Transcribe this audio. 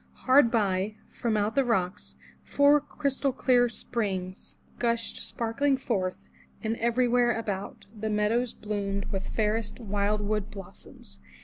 Hard by, from out the rocks, four clear crystal springs gushed sparkling forth, and every where about, the meadows bloomed with fairest wildwood blos soms.